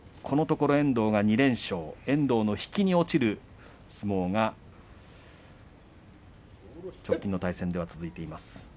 このところ遠藤が２連勝遠藤の引きに落ちる相撲が直近の対戦では続いています。